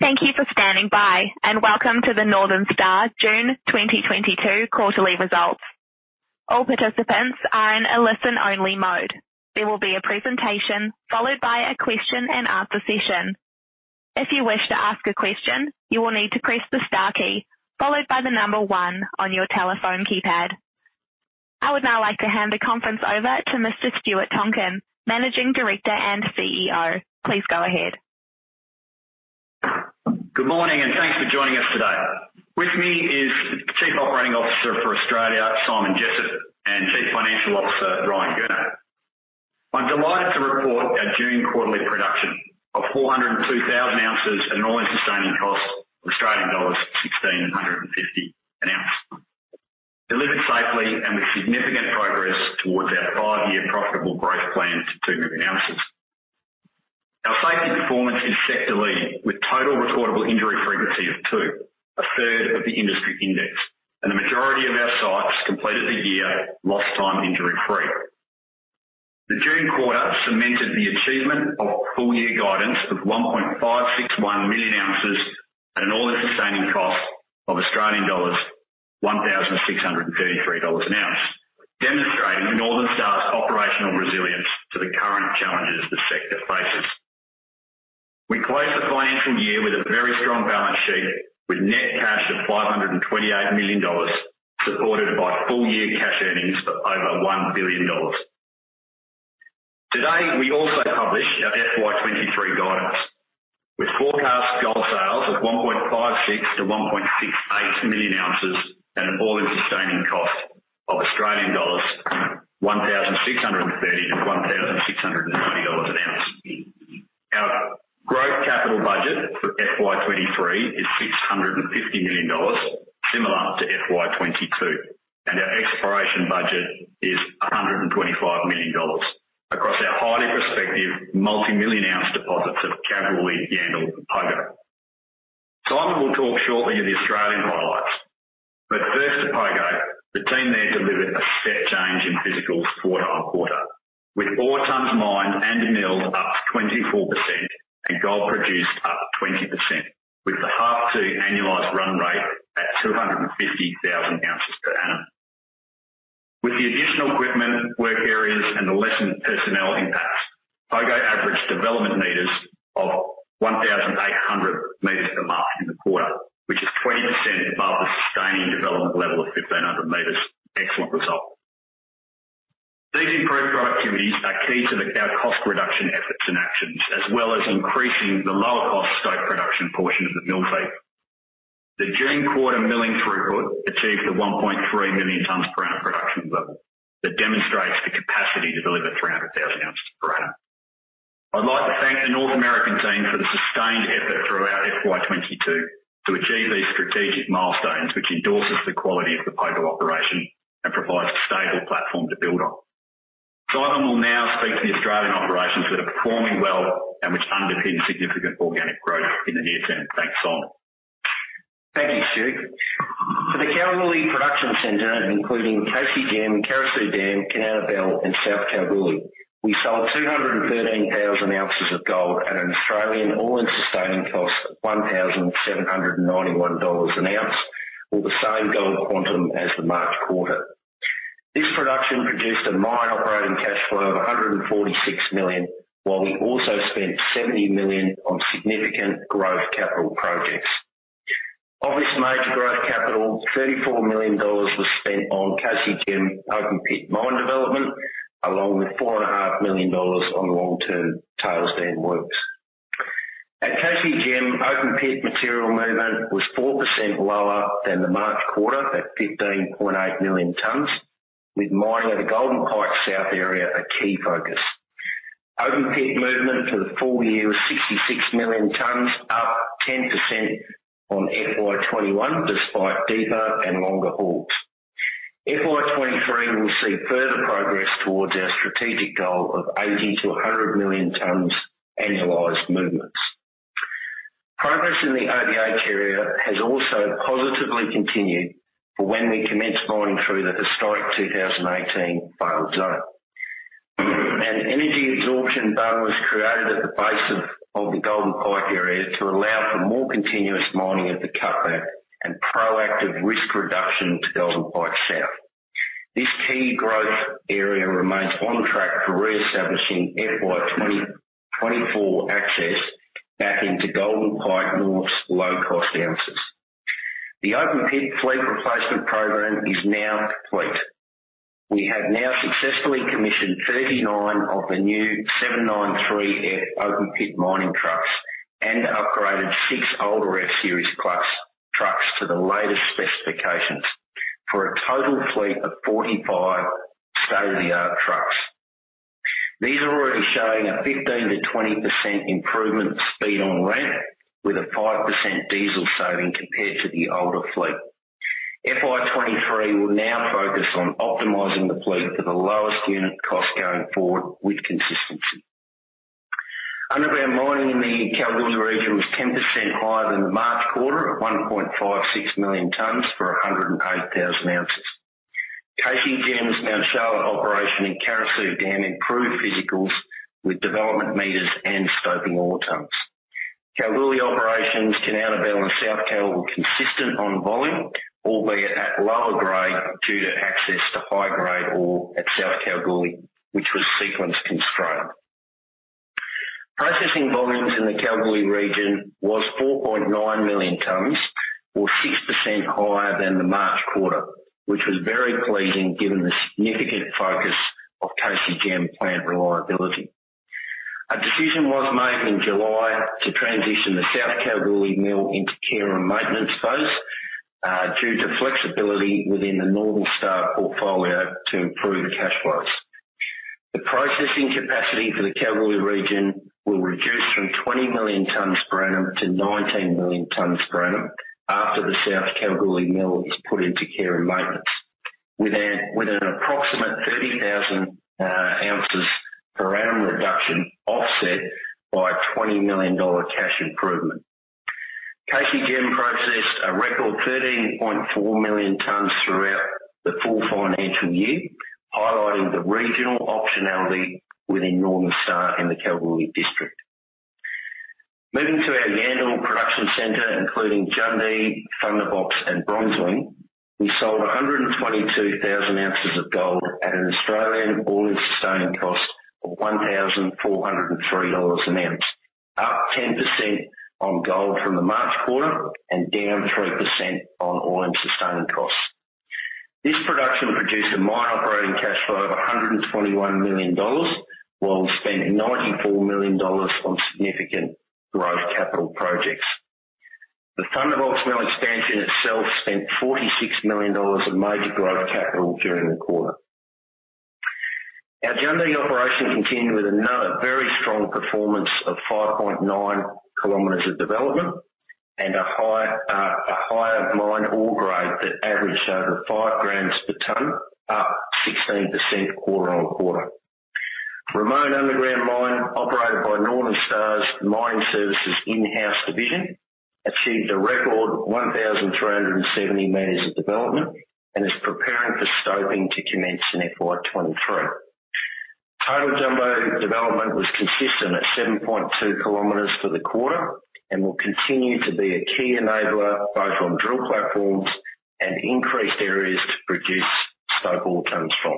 Thank you for standing by, and welcome to the Northern Star June 2022 Quarterly Results. All participants are in a listen-only mode. There will be a presentation followed by a question and answer session. If you wish to ask a question, you will need to press the star key followed by the number one on your telephone keypad. I would now like to hand the conference over to Mr. Stuart Tonkin, Managing Director and CEO. Please go ahead. Good morning, and thanks for joining us today. With me is Chief Operating Officer for Australia, Simon Jessop, and Chief Financial Officer, Ryan Gurner. I'm delighted to report our June quarterly production of 402,000 oz at an all-in sustaining cost of Australian dollars 1,650 an oz. Delivered safely and with significant progress towards our five-year profitable growth plan to 2 million oz. Our safety performance is sector-leading, with total recordable injury frequency of 2, 1/3 of the industry index, and the majority of our sites completed the year lost time injury-free. The June quarter cemented the achievement of full-year guidance of 1.561 million oz at an all-in sustaining cost of Australian dollars 1,633 an oz, demonstrating Northern Star's operational resilience to the current challenges the sector faces. We closed the financial year with a very strong balance sheet with net cash of 528 million dollars, supported by full-year cash earnings of over 1 billion dollars. Today, we also publish our FY 2023 guidance. We forecast gold sales of 1.56 million oz-1.68 million oz at an all-in sustaining cost of 1,630-1,630 Australian dollars an oz. Our growth capital budget for FY 2023 is 650 million dollars, similar to FY 2022, and our exploration budget is 125 million dollars across our highly prospective multi-million-ounce deposits of Kalgoorlie, Yandal, and Pogo. Simon will talk shortly of the Australian highlights, but first to Pogo. The team there delivered a step change in physicals quarter-on-quarter, with ore tons mined and milled up to 24% and gold produced up to 20%, with the half to annualized run rate at 250,000 oz per annum. With the additional equipment, work areas, and the lessened personnel impacts, Pogo averaged development meters of 1,800 m a month in the quarter, which is 20% above the sustaining development level of 1,500 m. Excellent result. These improved productivities are key to our cost reduction efforts and actions, as well as increasing the lower-cost stope production portion of the mill feed. The June quarter milling throughput achieved the 1.3 million tons per hour production level that demonstrates the capacity to deliver 300,000 oz per annum. I'd like to thank the North American team for the sustained effort throughout FY 2022 to achieve these strategic milestones, which endorses the quality of the Pogo operation and provides a stable platform to build on. Simon will now speak to the Australian operations that are performing well and which underpin significant organic growth in the near term. Thanks, Simon. Thank you, Stuart. For the Kalgoorlie production center, including KCGM, Carosue Dam, Kanowna Belle, and South Kalgoorlie, we sold 213,000 oz of gold at an Australian all-in sustaining cost of 1,791 dollars an ounce or the same gold quantum as the March quarter. This production produced a mine operating cash flow of 146 million, while we also spent 70 million on significant growth capital projects. Of this major growth capital, 34 million dollars was spent on KCGM open pit mine development, along with 4.5 million dollars on long-term tails dam works. At KCGM, open pit material movement was 4% lower than the March quarter at 15.8 million tons, with mining at the Golden Pike South area a key focus. Open pit movement for the full year was 66 million tons, up 10% on FY 2021 despite deeper and longer hauls. FY 2023 will see further progress towards our strategic goal of 80 million-100 million tons annualized movements. Progress in the ODL area has also positively continued for when we commence mining through the historic 2018 fail zone. An energy absorption dam was created at the base of the Golden Pike area to allow for more continuous mining at the cutback and proactive risk reduction to Golden Pike South. This key growth area remains on track for reestablishing FY 2024 access back into Golden Pike North's low-cost ounces. The open pit fleet replacement program is now complete. We have now successfully commissioned 39 of the new 793F open pit mining trucks and upgraded 6 older F-series class trucks to the latest specifications for a total fleet of 45 state-of-the-art trucks. These are already showing a 15%-20% improvement speed on ramp with a 5% diesel saving compared to the older fleet. FY 2023 will now focus on optimizing the fleet for the lowest unit cost going forward with consistency. Underground mining in the Kalgoorlie region was 10% higher than the March quarter at 1.56 million tons for 108,000 oz. KCGM's Mount Charlotte operation in Carosue Dam improved physicals with development meters and stoping ore tons. Kalgoorlie operations can now balance South Kal consistent on volume, albeit at lower grade due to access to high-grade ore at South Kalgoorlie, which was sequence constrained. Processing volumes in the Kalgoorlie region was 4.9 million tons or 6% higher than the March quarter, which was very pleasing given the significant focus of KCGM plant reliability. A decision was made in July to transition the South Kalgoorlie mill into care and maintenance phase due to flexibility within the Northern Star portfolio to improve cash flows. The processing capacity for the Kalgoorlie region will reduce from 20 million tons per annum to 19 million tons per annum after the South Kalgoorlie mill is put into care and maintenance. With an approximate 30,000 oz per annum reduction offset by 20 million dollar cash improvement. KCGM processed a record 13.4 million tons throughout the full financial year, highlighting the regional optionality within Northern Star in the Kalgoorlie district. Moving to our Yandal Production Center, including Jundee, Thunderbox and Bronzewing. We sold 122,000 oz of gold at an Australian all-in sustaining cost of 1,403 dollars an oz, up 10% on gold from the March quarter and down 3% on all-in sustaining costs. This production produced a mine operating cash flow of 121 million dollars, while we spent 94 million dollars on significant growth capital projects. The Thunderbox mill expansion itself spent 46 million dollars of major growth capital during the quarter. Our Jundee operation continued with a very strong performance of 5.9 kilometers of development and a higher mine ore grade that averaged over 5 (g/t), up 16% quarter-on-quarter. Ramone Underground Mine, operated by Northern Star Mining Services in-house division, achieved a record 1,370 m of development and is preparing for stoping to commence in FY 2023. Total jumbo development was consistent at 7.2 km for the quarter and will continue to be a key enabler both on drill platforms and increased areas to produce stope ore comes from.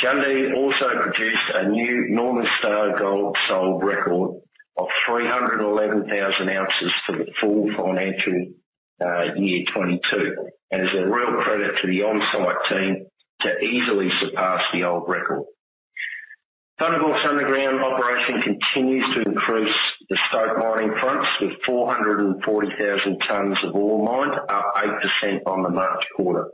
Jundee also produced a new Northern Star gold sold record of 311,000 oz for the full financial year 2022, and is a real credit to the on-site team to easily surpass the old record. Thunderbox underground operation continues to increase the stope mining fronts with 440,000 tons of ore mined, up 8% on the March quarter.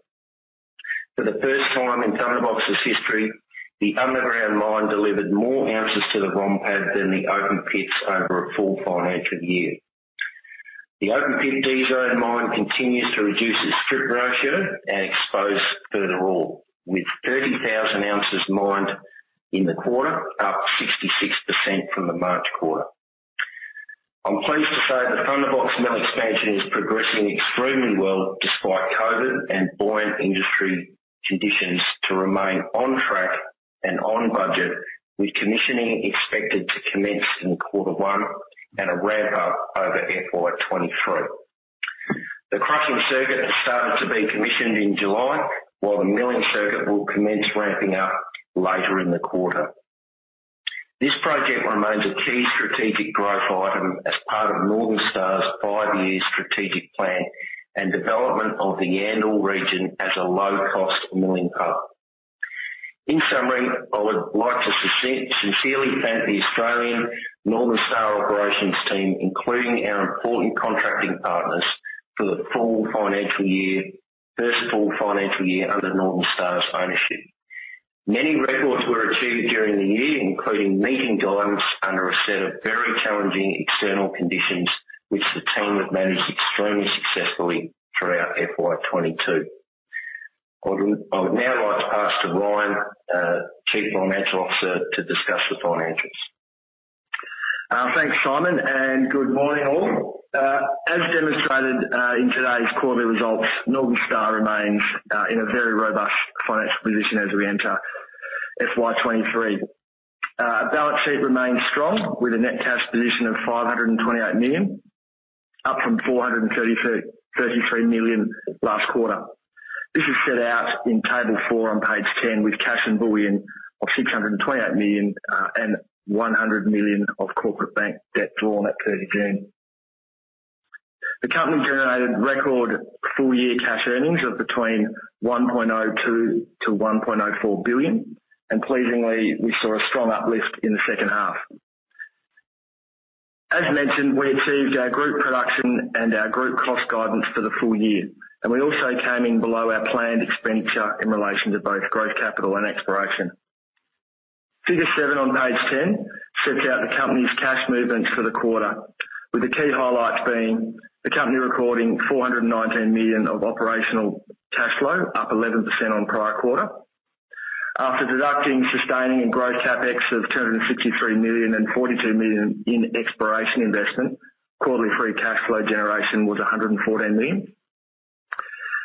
For the first time in Thunderbox's history, the underground mine delivered more ounces to the ROM pad than the open pits over a full financial year. The open pit D Zone mine continues to reduce its strip ratio and expose further ore, with 30,000 oz mined in the quarter, up 66% from the March quarter. I'm pleased to say the Thunderbox mill expansion is progressing extremely well, despite COVID and buoyant industry conditions, to remain on track and on budget, with commissioning expected to commence in quarter one and a ramp-up over FY 2023. The crushing circuit started to be commissioned in July, while the milling circuit will commence ramping up later in the quarter. This project remains a key strategic growth item as part of Northern Star's five-year strategic plan and development of the Yandal region as a low-cost milling hub. In summary, I would like to sincerely thank the Australian Northern Star operations team, including our important contracting partners, for the full financial year, first full financial year under Northern Star's ownership. Many records were achieved during the year, including meeting guidance under a set of very challenging external conditions, which the team have managed extremely successfully throughout FY 2022. I would now like to pass to Ryan, Chief Financial Officer, to discuss the financials. Thanks, Simon, and good morning, all. As demonstrated in today's quarterly results, Northern Star remains in a very robust financial position as we enter FY 2023. Balance sheet remains strong, with a net cash position of 528 million, up from 433 million last quarter. This is set out in table 4 on page 10, with cash and bullion of 628 million and 100 million of corporate bank debt drawn at 30 June. The company generated record full-year cash earnings of between 1.02 billion-1.04 billion, and pleasingly, we saw a strong uplift in the second half. As mentioned, we achieved our group production and our group cost guidance for the full year, and we also came in below our planned expenditure in relation to both growth, capital and exploration. Figure 7 on page 10 sets out the company's cash movements for the quarter, with the key highlights being the company recording 419 million of operational cash flow, up 11% on prior quarter. After deducting sustaining and growth CapEx of AUD 263 million and AUD 42 million in exploration investment, quarterly free cash flow generation was AUD 114 million.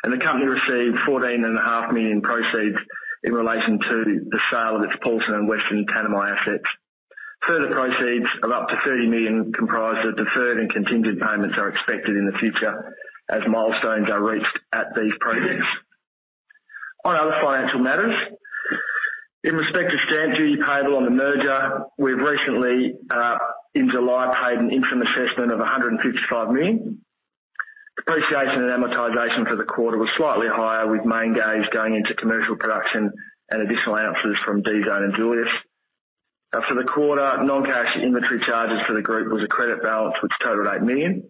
The company received AUD 14.5 million proceeds in relation to the sale of its Paulsens and Western Tanami assets. Further proceeds of up to 30 million comprised of deferred and contingent payments are expected in the future as milestones are reached at these projects. On other financial matters, in respect to stamp duty payable on the merger, we've recently, in July, paid an interim assessment of 155 million. Depreciation and amortization for the quarter was slightly higher, with main gauge going into commercial production and additional ounces from D Zone and Julius. After the quarter, non-cash inventory charges for the group was a credit balance which totaled 8 million.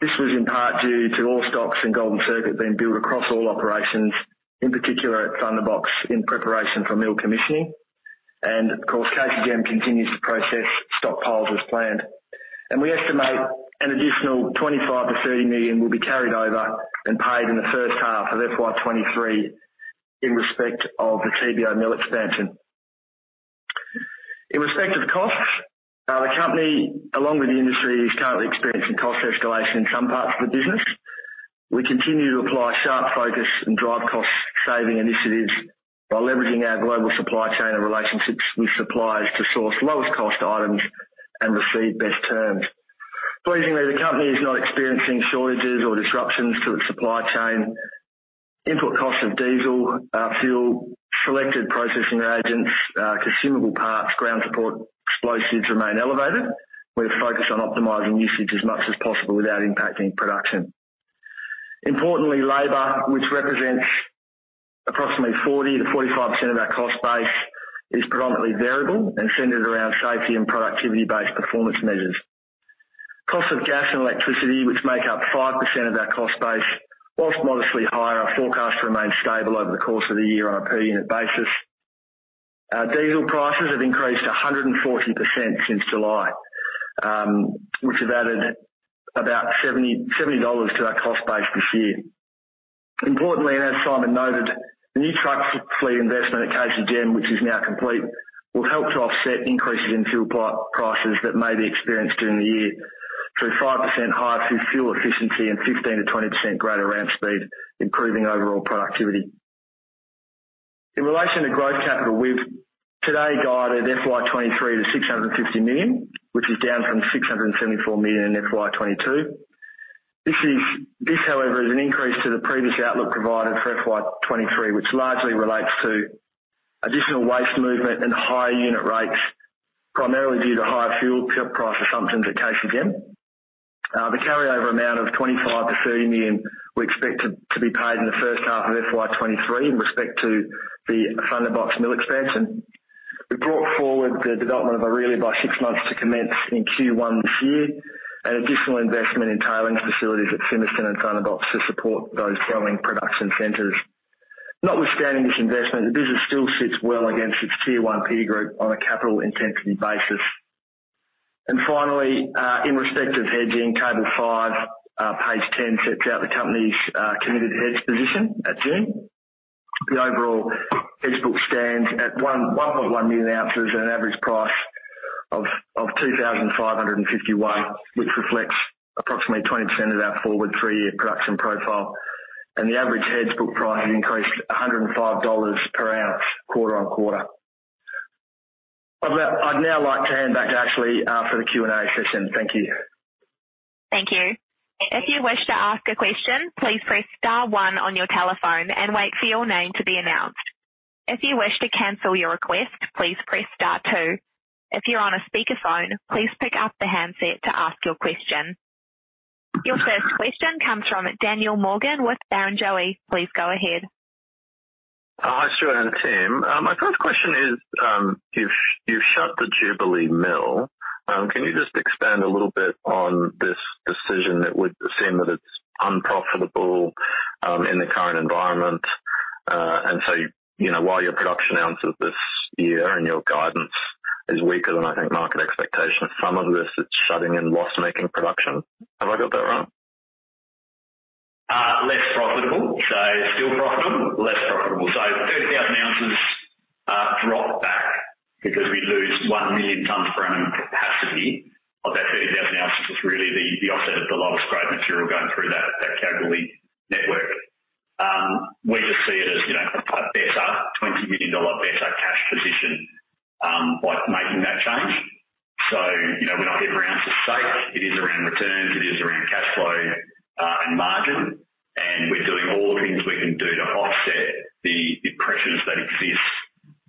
This was in part due to all stocks in gold in circuit being built across all operations, in particular at Thunderbox, in preparation for mill commissioning. Of course, KCGM continues to process stockpiles as planned. We estimate an additional 25 million-30 million will be carried over and paid in the first half of FY 2023 in respect of the TBO mill expansion. In respect of costs, the company, along with the industry, is currently experiencing cost escalation in some parts of the business. We continue to apply sharp focus and drive cost-saving initiatives by leveraging our global supply chain and relationships with suppliers to source lowest cost items and receive best terms. Pleasingly, the company is not experiencing shortages or disruptions to its supply chain. Input costs of diesel, fuel, selected processing agents, consumable parts, ground support, explosives remain elevated. We're focused on optimizing usage as much as possible without impacting production. Importantly, labor, which represents approximately 40%-45% of our cost base, is predominantly variable and centered around safety and productivity-based performance measures. Cost of gas and electricity, which make up 5% of our cost base, while modestly higher, are forecast to remain stable over the course of the year on a per unit basis. Our diesel prices have increased 140% since July, which have added about $70 to our cost base this year. Importantly, as Simon noted, the new truck fleet investment at KCGM, which is now complete, will help to offset increases in fuel prices that may be experienced during the year, through 5% hikes in fuel efficiency and 15%-20% greater ramp speed, improving overall productivity. In relation to growth capital, we've today guided FY 2023 to 650 million, which is down from 674 million in FY 2022. This, however, is an increase to the previous outlook provided for FY 2023, which largely relates to additional waste movement and higher unit rates, primarily due to higher fuel price assumptions at KCGM. The carryover amount of 25 million-30 million we expect to be paid in the first half of FY 2023 in respect to the Thunderbox mill expansion. We've brought forward the development of Orelia by six months to commence in Q1 this year, and additional investment in tailings facilities at Fimiston and Thunderbox to support those growing production centers. Notwithstanding this investment, the business still sits well against its tier-one peer group on a capital intensity basis. Finally, in respect of hedging, Table 5, page 10 sets out the company's committed hedge position at June. The overall hedge book stands at 1.1 million oz at an average price of $2,551, which reflects approximately 20% of our forward three-year production profile. The average hedge book price has increased $105 per oz quarter-on-quarter. I'd now like to hand back to Ashley for the Q&A session. Thank you. Thank you. If you wish to ask a question, please press star one on your telephone and wait for your name to be announced. If you wish to cancel your request, please press star two. If you're on a speakerphone, please pick up the handset to ask your question. Your first question comes from Daniel Morgan with Barrenjoey. Please go ahead. Hi, Stuart and team. My first question is, you've shut the Jubilee Mill. Can you just expand a little bit on this decision? It would seem that it's unprofitable in the current environment. You know, while your production ounces this year and your guidance is weaker than, I think, market expectation, some of this is shutting down loss-making production. Have I got that wrong? Less profitable. Still profitable, less profitable. 30,000 oz drop back because we lose 1 million tons per annum capacity. Of that 30,000 oz is really the offset of the lowest-grade material going through that Kalgoorlie network. We just see it as, you know, a AUD 20 million better cash position by making that change. You know, we're not here around for sake. It is around returns, it is around cash flow and margin. We're doing all the things we can do to offset the pressures that exist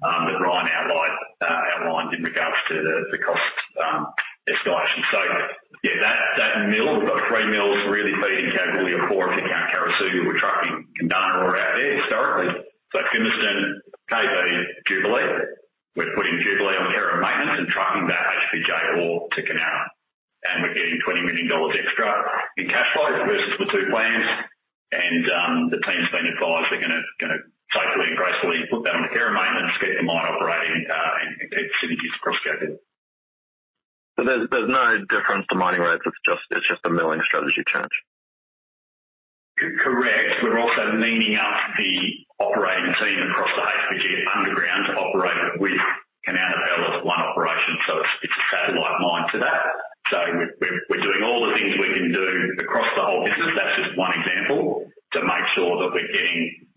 that Ryan outlined in regards to the cost escalation. That mill, we've got three mills really feeding Kalgoorlie, or four if you count Carosue. We're trucking Kundana out there historically. Fimiston, KV, Jubilee. We're putting Jubilee on care and maintenance and trucking that HBJ ore to Kanowna. We're getting AUD 20 million extra in cash flows versus the two plans. The team's been advised they're gonna safely and gracefully put that on care and maintenance, get the mine operating, and keep synergies across capital. There's no difference to mining rates. It's just a milling strategy change? Correct. We're also cleaning up the operating team across the HBJ underground to operate with Kanowna Belle as one operation. It's a satellite mine to that. We're doing all the things we can do across the whole business. That's just one example to make sure that we're getting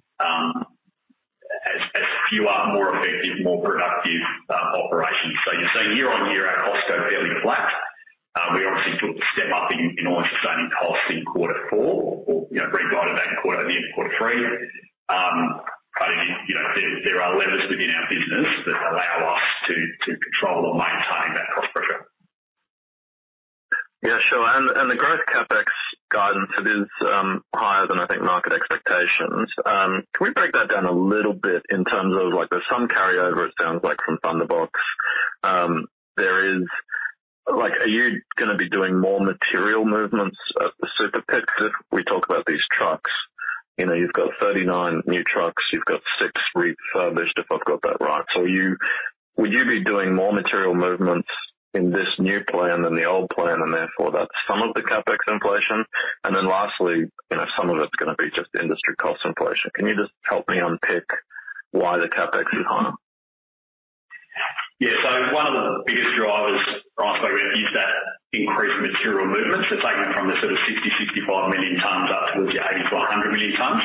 fewer, more effective, more productive operations. You're seeing year-on-year our costs go fairly flat. We obviously took the step up in all-in sustaining costs in quarter four or, you know, re-based that quarter at the end of quarter three. You know, there are levers within our business that allow us to control or maintain that cost pressure. Yeah, sure. The growth CapEx guidance, it is higher than I think market expectations. Can we break that down a little bit in terms of like there's some carryover it sounds like from Thunderbox. Like are you gonna be doing more material movements at the Super Pit? If we talk about these trucks, you know, you've got 39 new trucks, you've got six refurbished, if I've got that right. Would you be doing more material movements in this new plan than the old plan and therefore that's some of the CapEx inflation? Then lastly, you know, some of it's gonna be just industry cost inflation. Can you just help me unpick why the CapEx is higher? Yeah. One of the biggest drivers, Ross, is that increased material movements. Taking it from the sort of 60 million-65 million tons up towards your 80 million-100 million tons.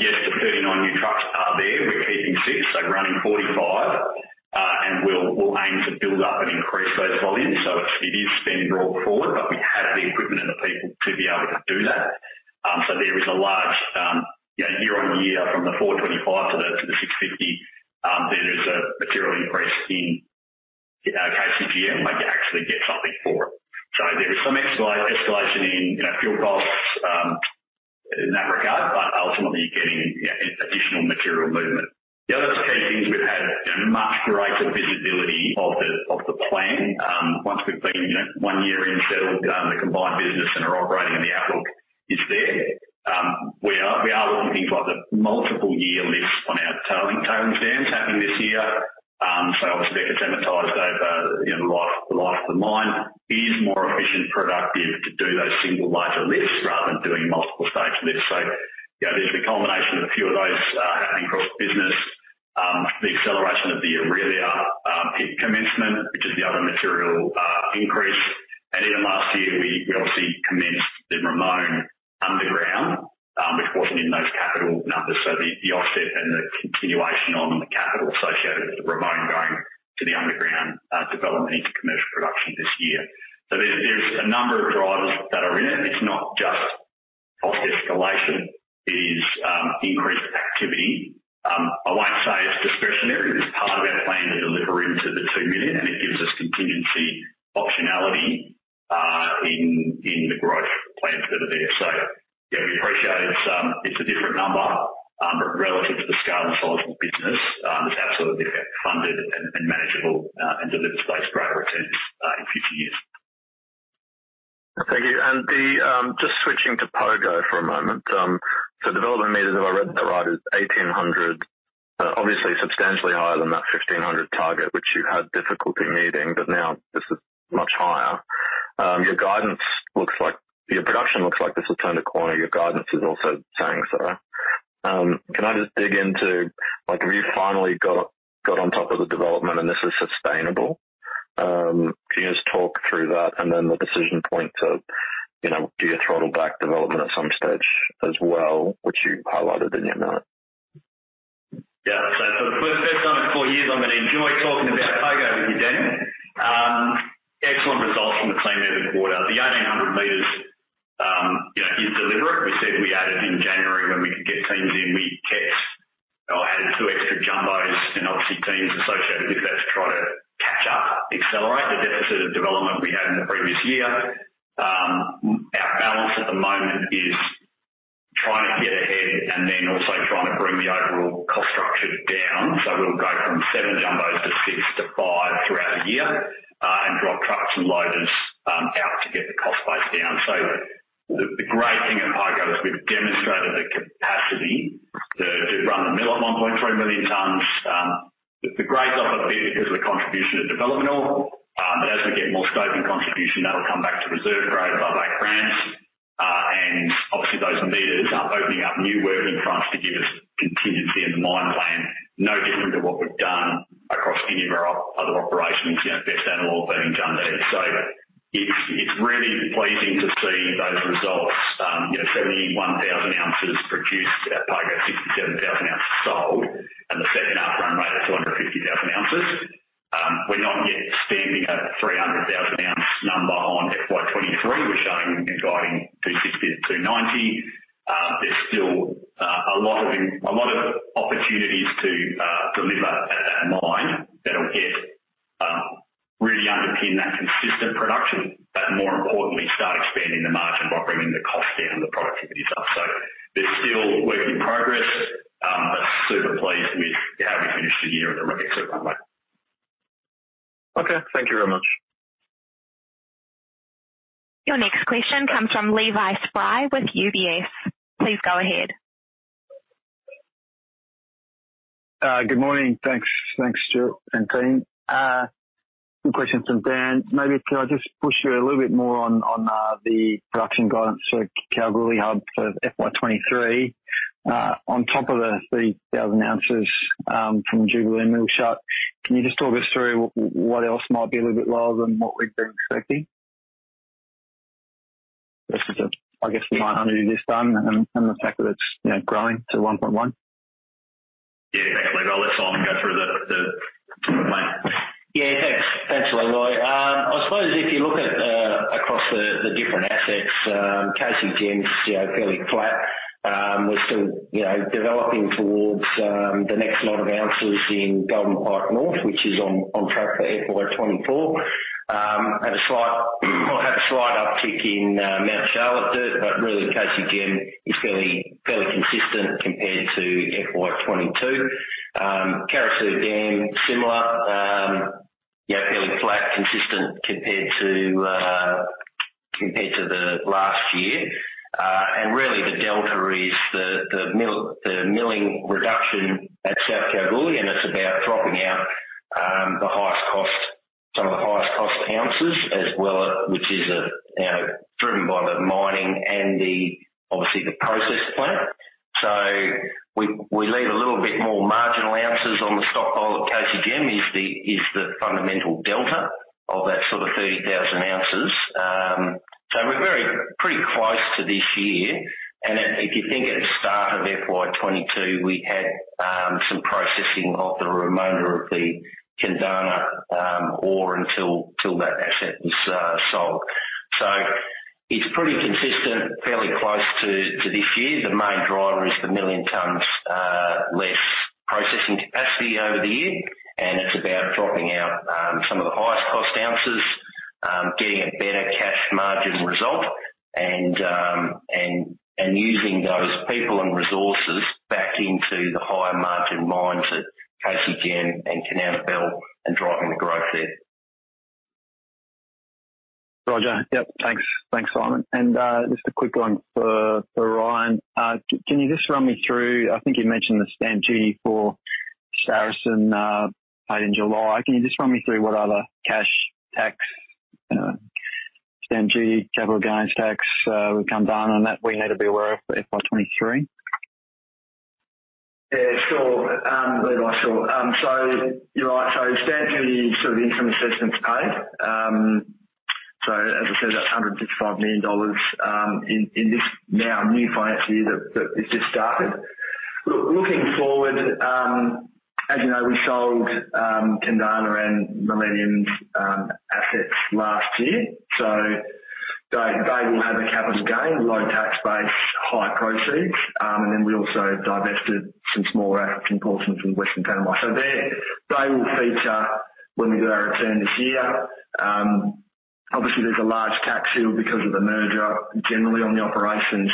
Yes, the 39 new trucks are there. We're keeping six, so running 45. We'll aim to build up and increase those volumes. It's spend brought forward, but we have the equipment and the people to be able to do that. There is a large, you know, year-on-year from 425 million-650 million, there is a material increase in our KCGM where you actually get something for it. There is some escalation in, you know, fuel costs, in that regard. Ultimately you're getting, you know, additional material movement. The other key things we've had, you know, much greater visibility of the plan. Once we've been, you know, one year in settled the combined business and are operating and the outlook is there. We are looking at things like the multiple year lifts on our tailings dams happening this year. Obviously they're amortized over, you know, the life of the mine. It is more efficient and productive to do those single larger lifts rather than doing multiple stage lifts. You know, there's the culmination of a few of those happening across the business. The acceleration of the Orelia pit commencement, which is the other material increase. Even last year we obviously commenced the Ramone underground, which wasn't in those capital numbers. The offset and the continuation on the capital associated with the Ramone going to the underground development into commercial production this year. There's a number of drivers that are in it. It's not just cost escalation. It is increased activity. I won't say it's discretionary. It is part of our plan to deliver into the two million, and it gives us contingency optionality in the growth plans that are there. Yeah, we appreciate it's a different number relative to the scale and size of the business. It's absolutely funded and manageable and delivers those greater returns in future years. Thank you. Just switching to Pogo for a moment. Development meters, if I read that right, is 1800. Obviously substantially higher than that 1500 target, which you had difficulty meeting, but now this is much higher. Your guidance looks like your production looks like this will turn a corner. Your guidance is also saying so. Can I just dig into, like, have you finally got on top of the development and this is sustainable? Can you just talk through that and then the decision point of, you know, do you throttle back development at some stage as well, which you highlighted in your note? Yeah. For the first time in four years, I'm gonna enjoy talking about Pogo with you, Daniel. Excellent results from the team there this quarter. The 1,800 m, you know, is deliberate. We said we added in January when we could get teams in. We kept or added two extra jumbos and obviously teams associated with that to try to catch up, accelerate the deficit of development we had in the previous year. Our balance at the moment is trying to get ahead and then also trying to bring the overall cost structure down. We'll go from seven jumbos to six to five throughout the year, and drop trucks and loaders out to get the cost base down. The great thing at Pogo is we've demonstrated the capacity to run the mill at 1.3 million tons. The grades off a bit because of the contribution of developmental, but as we get more stoping contribution, that'll come back to reserve grade above our grants. Obviously those meters are opening up new working fronts to give us contingency in the mine plan, no different to what we've done across any of our other operations. You know, best analog being Jundee. It's really pleasing to see those results. You know, 71,000 oz produced at Pogo, 67,000 oz sold, and the second half run rate at 250,000 oz. We're not yet standing at 300,000 oz number on FY 2023. We're showing and guiding 260,000-290,000. There's still a lot of opportunities to deliver at that mine that'll get really underpin that consistent production, but more importantly start expanding the margin by bringing the cost down, the productivity is up. There's still work in progress. Super pleased with how we finished the year and the rates that we made. Okay. Thank you very much. Your next question comes from Levi Spry with UBS. Please go ahead. Good morning. Thanks, Stuart and team. Quick question from Dan. Maybe can I just push you a little bit more on the production guidance for Kalgoorlie hub for FY 2023, on top of the 3,000 ounces from Jubilee Mill shut. Can you just talk us through what else might be a little bit lower than what we've been expecting? This is a, I guess, the high hundred this time and the fact that it's, you know, growing to 1.1. Yeah, exactly. I'll let Simon go through the. Yeah, thanks. Thanks, Levi. I suppose if you look at across the different assets, KCGM's, you know, fairly flat. We're still, you know, developing towards the next lot of ounces in Golden Pike North, which is on track for FY 2024. We'll have a slight uptick in Mount Charlotte dirt, but really KCGM is fairly consistent compared to FY 2022. Carosue Dam, similar, yeah, fairly flat, consistent compared to the last year. Really the delta is the mill, the milling reduction at South Kalgoorlie, and it's about dropping out the highest cost, some of the highest cost ounces as well, which is, you know, driven by the mining and the, obviously the process plant. We leave a little bit more marginal ounces on the stockpile at KCGM is the fundamental delta of that sort of 30,000 oz. We're very pretty close to this year. If you think at the start of FY 2022, we had some processing of the remainder of the Kundana ore until that asset was sold. It's pretty consistent, fairly close to this year. The main driver is the one million tons less processing capacity over the year, and it's about dropping out some of the highest cost ounces, getting a better cash margin result and using those people and resources back into the higher margin mines at KCGM and Kanowna Belle and driving the growth there. Roger. Yep, thanks. Thanks, Simon. Just a quick one for Ryan. Can you just run me through? I think you mentioned the stamp duty for Saracen paid in July. Can you just run me through what other cash tax, stamp duty, capital gains tax, would come down on that we need to be aware of for FY 2023? Yeah, sure. Levi, sure. You're right. Stamp duty, sort of the interim assessments paid. As I said, that's 155 million dollars in this now new financial year that it just started. Looking forward, as you know, we sold Kundana and Millennium assets last year. They will have a capital gain, low tax base, high proceeds. Then we also divested some small assets in Paulsens and Western Tanami. They will feature when we do our return this year. Obviously, there's a large tax shield because of the merger generally on the operations.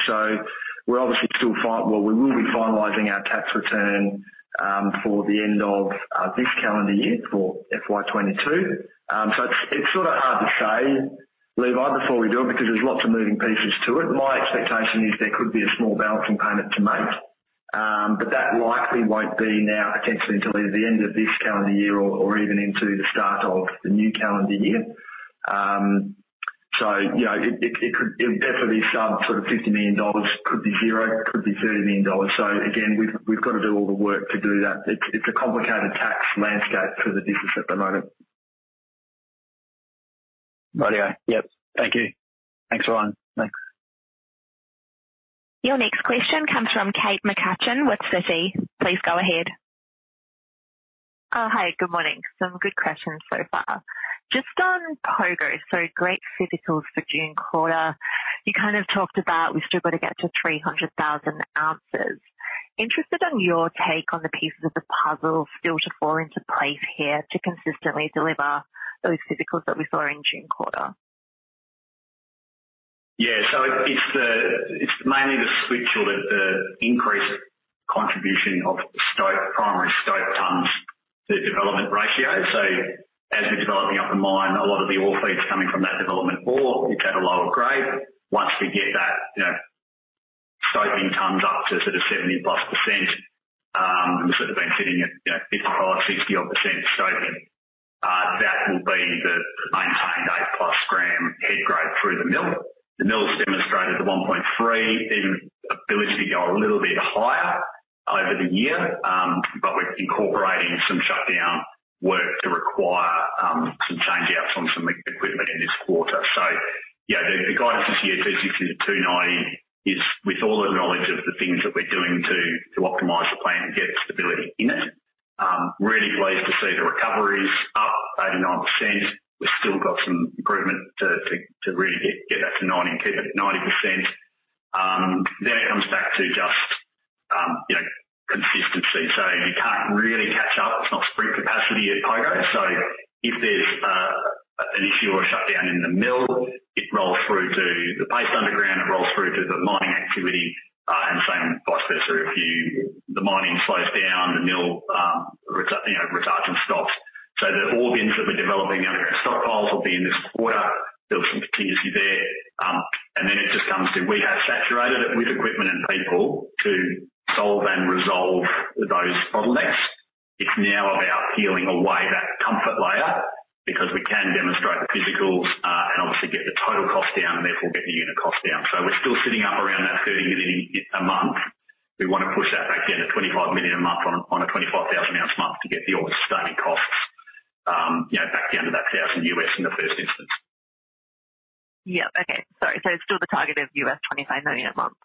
Well, we will be finalizing our tax return for the end of this calendar year for FY 2022. It's sort of hard to say, Levi, before we do it because there's lots of moving pieces to it. My expectation is there could be a small balancing payment to make, but that likely won't be now potentially until either the end of this calendar year or even into the start of the new calendar year. You know, it could, it would definitely be some sort of 50 million dollars. Could be zero, could be 30 million dollars. Again, we've got to do all the work to do that. It's a complicated tax landscape for the business at the moment. Righty, oh. Yep. Thank you. Thanks, Ryan. Thanks. Your next question comes from Kate McCutcheon with Citi. Please go ahead. Oh, hi. Good morning. Some good questions so far. Just on Pogo, so great physicals for June quarter. You kind of talked about we've still got to get to 300,000 oz. Interested in your take on the pieces of the puzzle still to fall into place here to consistently deliver those physicals that we saw in June quarter. Yeah. It's mainly the switch to the increased contribution of the primary stope tonnes to development ratio. As we're developing up the mine, a lot of the ore feed's coming from that development ore, which have a lower grade. Once we get that, you know, stoping tonnes up to sort of 70%+, we sort of been sitting at, you know, 55%, 60% stoping, that will be the maintained 8+ g head grade through the mill. The mill's demonstrated the 1.3 g/t ability to go a little bit higher over the year, but we're incorporating some shutdown work that'll require some changeouts on some equipment in this quarter. You know, the guidance this year, 260-290 is with all the knowledge of the things that we're doing to optimize the plant and get stability in it. Really pleased to see the recovery's up 89%. We've still got some improvement to really get that to 90%, keep it 90%. Then it comes back to just, you know, consistency. You can't really catch up. It's not surge capacity at Pogo. If there's an issue or a shutdown in the mill, it rolls through to the Pogo underground, it rolls through to the mining activity, and same vice versa. If the mining slows down, the mill, it retards, you know. The ores that we're developing and our current stockpiles will be in this quarter. There's some contingency there. It just comes to, we have saturated it with equipment and people to solve and resolve those bottlenecks. It's now about peeling away that comfort layer because we can demonstrate the physicals and obviously get the total cost down and therefore get the unit cost down. We're still sitting up around that 30 million a month. We want to push that back down to 25 million a month on a 25,000 oz month to get the ore starting costs, you know, back down to that $1,000 in the first instance. Yeah. Okay. Sorry. It's still the target of $25 million a month?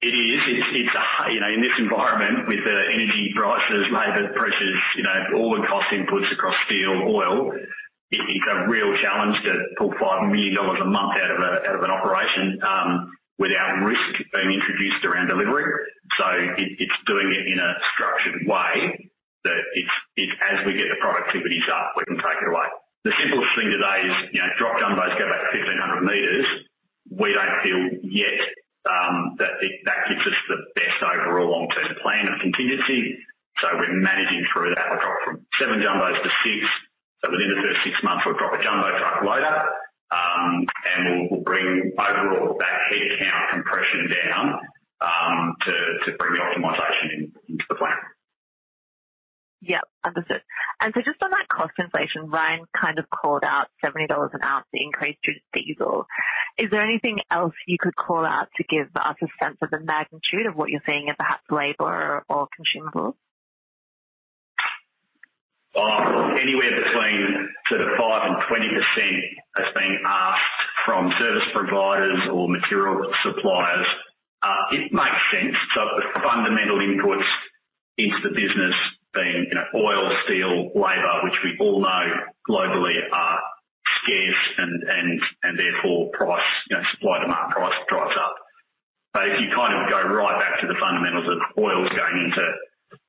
It is. It's, you know, in this environment with the energy prices, labor pressures, you know, all the cost inputs across steel, oil, it is a real challenge to pull 5 million dollars a month out of an operation without risk being introduced around delivery. It's doing it in a structured way that it's, as we get the productivities up, we can take it away. The simplest thing today is, you know, drop jumbos, go back to 1,500 m. We don't feel yet that gives us the best overall long-term plan of contingency, so we're managing through that. We drop from 7 jumbos to 6. Within the first six months, we'll drop a jumbo truck loader and we'll bring overall that headcount compression down to bring the optimization into the plan. Yep, understood. Just on that cost inflation, Ryan kind of called out $70 an oz, the increase due to diesel. Is there anything else you could call out to give us a sense of the magnitude of what you're seeing in perhaps labor or consumables? Anywhere between sort of 5%-20% is being asked from service providers or material suppliers. It makes sense. The fundamental inputs into the business being, you know, oil, steel, labor, which we all know globally are scarce and therefore price, you know, supply-demand price drives up. If you kind of go right back to the fundamentals of oil going into,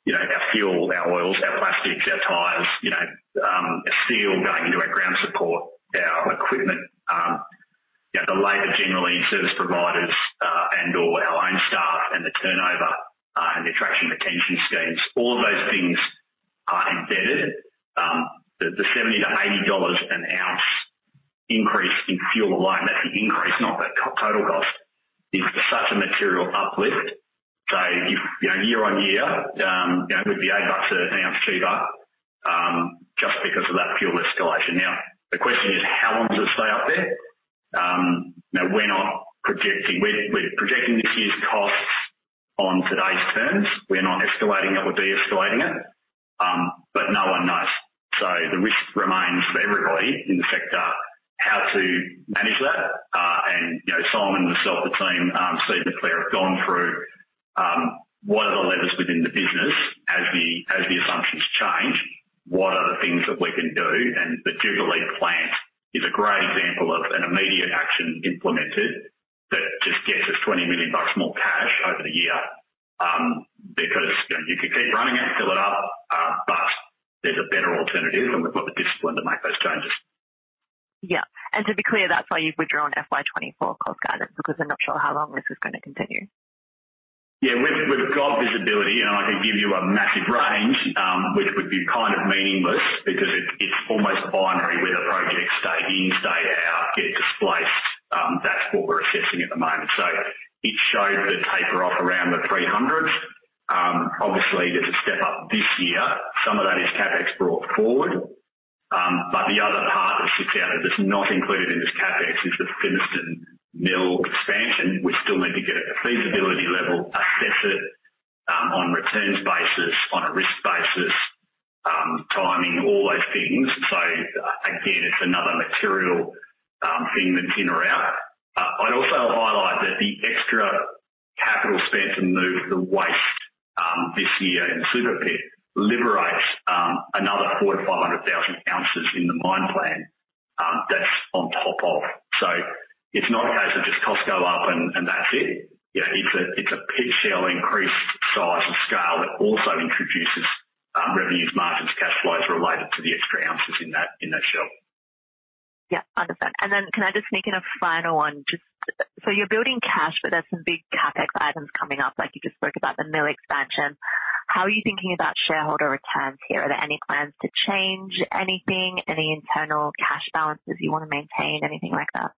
you know, our fuel, our oils, our plastics, our tires, you know, steel going into our ground support, our equipment, you know, the labor generally in service providers and/or our own staff and the turnover and attraction retention schemes, all of those things are embedded. The $70-$80 an oz increase in fuel alone, that's the increase, not the total cost, is such a material uplift. If, you know, year-on-year, you know, we'd be 8 bucks an oz cheaper, just because of that fuel escalation. Now, the question is how long does it stay up there? We're projecting this year's costs on today's terms. We're not escalating it or de-escalating it, but no one knows. The risk remains for everybody in the sector how to manage that. You know, Simon, myself, the team, Steve and Claire have gone through, what are the levers within the business as the assumptions change? What are the things that we can do? The Jubilee plant is a great example of an immediate action implemented that just gets us 20 million bucks more cash over the year. Because, you know, you could keep running it, fill it up, but there's a better alternative, and we've got the discipline to make those changes. Yeah. To be clear, that's why you've withdrawn FY2024 cost guidance because we're not sure how long this is gonna continue. Yeah. We've got visibility and I could give you a massive range, which would be kind of meaningless because it's almost binary whether projects stay in, stay out, get displaced. That's what we're assessing at the moment. It showed the taper off around the 300s. Obviously there's a step up this year. Some of that is CapEx brought forward. The other part that sits out of this, not included in this CapEx, is the Fimiston Mill expansion. We still need to get it to feasibility level, assess it, on returns basis, on a risk basis, timing, all those things. Again, it's another material thing that's in or out. I'd also highlight that the extra capital spent to move the waste this year in the Super Pit liberates another 400,000-500,000 oz in the mine plan. That's on top of. It's not a case of just costs go up and that's it. You know, it's a pit shell increased size and scale that also introduces revenues, margins, cash flows related to the extra ounces in that shell. Yeah. Understood. Then can I just sneak in a final one? Just so you're building cash, but there's some big CapEx items coming up, like you just spoke about the mill expansion. How are you thinking about shareholder returns here? Are there any plans to change anything? Any internal cash balances you wanna maintain? Anything like that?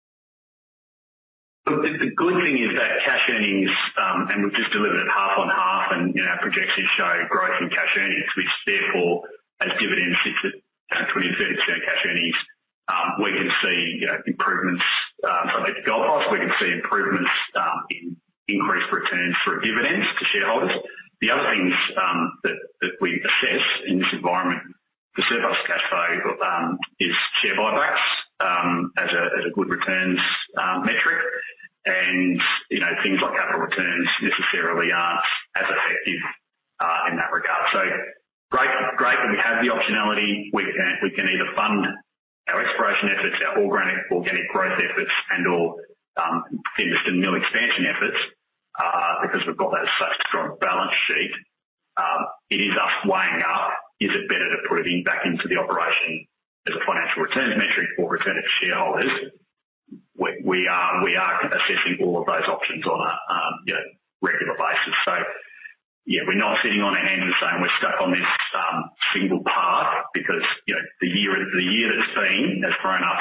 The good thing is that cash earnings and we've just delivered it half on half and, you know, projections show growth in cash earnings, which therefore as dividends sits at, you know, 20%-30% cash earnings. We can see, you know, improvements from a gold price. We can see improvements in increased returns through dividends to shareholders. The other things that we assess in this environment for surplus cash flow is share buybacks as a good returns metric. You know, things like capital returns necessarily aren't as effective in that regard. Great that we have the optionality. We can either fund our exploration efforts, our organic growth efforts and/or Fimiston Mill expansion efforts because we've got that such strong balance sheet. It is us weighing up, is it better to put it back into the operation as a financial returns metric or return it to shareholders? We are assessing all of those options on a, you know, regular basis. Yeah, we're not sitting on our hands and saying we're stuck on this single path because, you know, the year that's been has thrown up